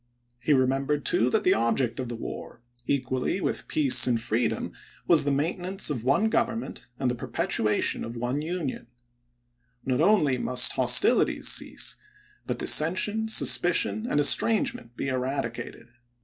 He re membered, too, that the object of the war, equally with peace and freedom, was the maintenance of one government and the perpetuation of one THE SECOND INAUGURAL 135 Union. Not only must hostilities cease, but dis chap.vh. sension, suspicion, and estrangement be eradicated.